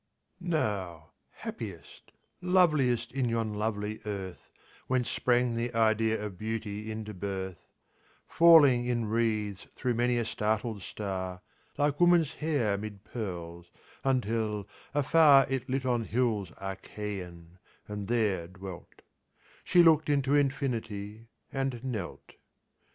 Now happiest, loveliest in yon lovely Earth, Whence sprang the "Idea of Beauty" into birth, (Falling in wreaths thro' many a startled star, Like woman's hair 'mid pearls, until, afar, It lit on hills Achaian, and there dwelt) She look'd into Infinity—and knelt.